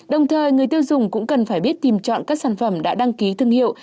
đồng thời người tiêu dùng cũng cần phải biết tìm chọn các sản phẩm đã đăng ký thương hiệu